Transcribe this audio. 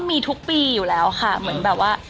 มีทุกปีอยู่แล้วค่ะเหมือนแบบว่า